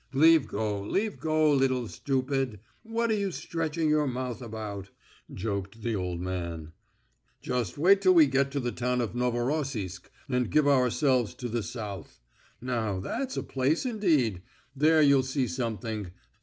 "Leave go, leave go, little stupid. What are you stretching your mouth about?" joked the old man. "Just wait till we get to the town of Novorossisk, and give ourselves to the South. Now, that's a place indeed; there you'll see something.